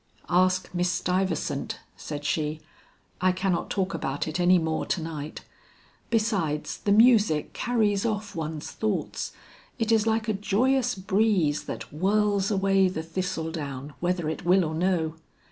"Ask Miss Stuyvesant;" said she. "I cannot talk about it any more to night. Besides the music carries off one's thoughts. It is like a joyous breeze that whirls away the thistle down whether it will or no."